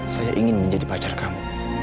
saya ingin menjadi pacar kamu